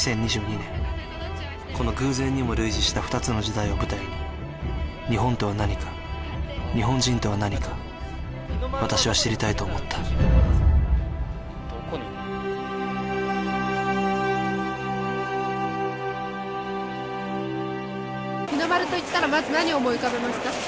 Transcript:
この偶然にも類似した二つの時代を舞台に日本とは何か日本人とは何か私は知りたいと思った日の丸といったらまず何を思い浮かべますか？